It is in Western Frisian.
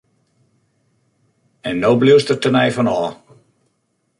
En no bliuwst der tenei fan ôf!